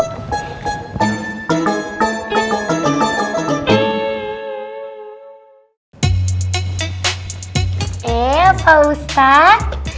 eh pak ustad